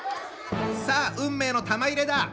さあ運命の玉入れだ。